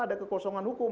ada kekosongan hukum